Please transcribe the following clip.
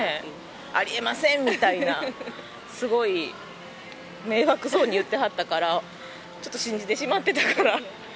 ありえませんみたいな、すごい迷惑そうに言ってはったから、ちょっと信じてしまってたから。